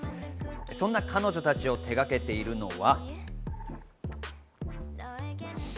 そんな彼女たちを手がけているのは。